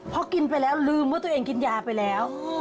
พอกินไปแล้วลืมว่าตัวเองกินยาไปแล้ว